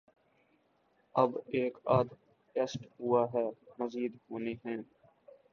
اب ایک آدھ ٹیسٹ ہوا ہے، مزید ہونے ہیں۔